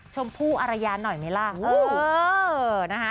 ชมพู่อารยาหน่อยไหมล่ะ